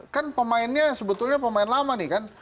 kan pemainnya sebetulnya pemain lama nih kan